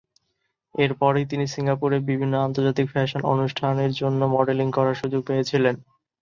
এর পরেই তিনি সিঙ্গাপুরে বিভিন্ন আন্তর্জাতিক ফ্যাশন অনুষ্ঠানের জন্য মডেলিং করার সুযোগ পেয়েছিলেন।